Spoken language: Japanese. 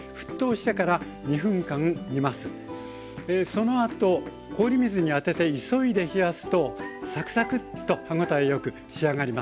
そのあと氷水に当てて急いで冷やすとサクサクッと歯応えよく仕上がります。